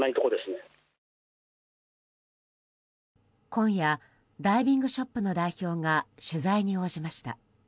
今夜、ダイビングショップの代表が取材に応じました。